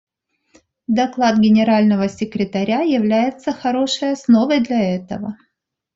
Доклад Генерального секретаря является хорошей основой для этого.